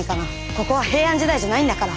ここは平安時代じゃないんだから。